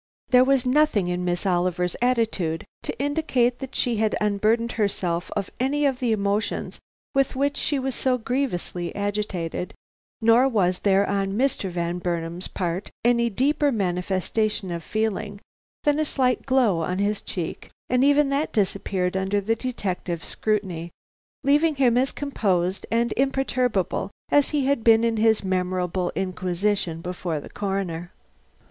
There was nothing in Miss Oliver's attitude to indicate that she had unburdened herself of any of the emotions with which she was so grievously agitated, nor was there on Mr. Van Burnam's part any deeper manifestation of feeling than a slight glow on his cheek, and even that disappeared under the detective's scrutiny, leaving him as composed and imperturbable as he had been in his memorable inquisition before the Coroner.